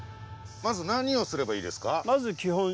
まず何をすればいいですか？